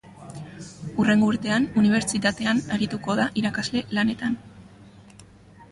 Hurrengo urtean, unibertsitatean arituko da irakasle lanetan.